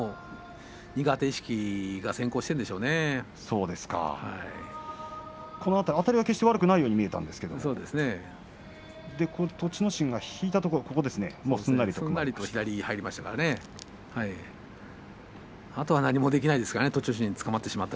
苦手意識があたりは決して悪くないように見えたんですけれども栃ノ心が引いたところすんなりと左が入ってしまいました。